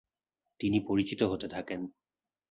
তিনি পরিচিত হতে থাকেন।